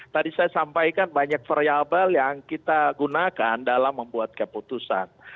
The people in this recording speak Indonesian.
tadi saya sampaikan banyak variable yang kita gunakan dalam membuat keputusan